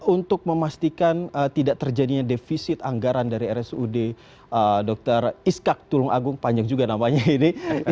untuk memastikan tidak terjadinya defisit anggaran dari rsud dr iskak tulung agung panjang juga namanya ini